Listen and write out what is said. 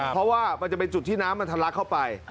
เพราะว่ามันจะเป็นจุดที่น้ำมันทะลักเข้าไป